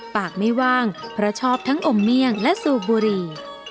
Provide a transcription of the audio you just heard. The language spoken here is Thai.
ปากไม่ว่างเพราะชอบทั้งอมเมี่ยงและสูบบุหรี่